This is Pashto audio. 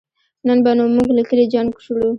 نن به نو مونږ له کلي جنګ شړو